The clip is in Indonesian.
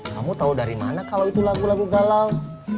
kamu tahu dari mana kalau itu lagu lagu galau